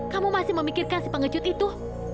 kamu masih memikirkan si pengecut itu